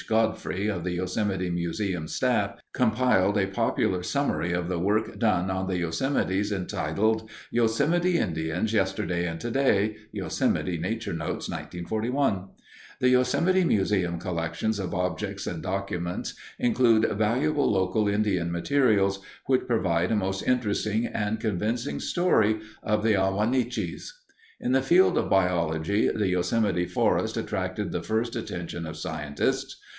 Godfrey, of the Yosemite Museum staff, compiled a popular summary of the work done on the Yosemites entitled, "Yosemite Indians Yesterday and Today," Yosemite Nature Notes, 1941. The Yosemite Museum collections of objects and documents include valuable local Indian materials, which provide a most interesting and convincing story of the Ah wah nee chees. In the field of biology, the Yosemite forests attracted the first attention of scientists.